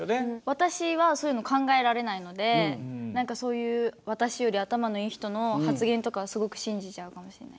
私はそういうの考えられないので何かそういう私より頭のいい人の発言とかすごく信じちゃうかもしれない。